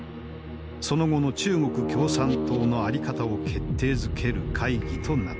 その後の中国共産党の在り方を決定づける会議となった。